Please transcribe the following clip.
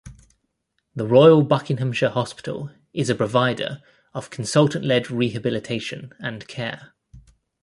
The Royal Buckinghamshire Hospital is a provider of Consultant-led rehabilitation and care.